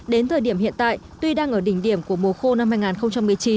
đến thời điểm hiện tại tuy đang ở đỉnh điểm của mùa khô năm hai nghìn một mươi chín